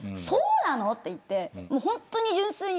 そうなの⁉って言ってホントに。